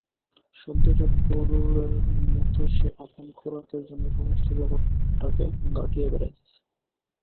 সদ্যোজাত গরুরের মতো সে আপন খোরাকের জন্য সমস্ত জগৎটাকে ঘাঁটিয়া বেড়াইতেছে।